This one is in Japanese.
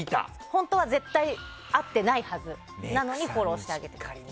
本当は絶対に会っていないはずなのにフォローしていたと。